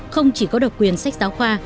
không chỉ có độc quyền sách giáo khoa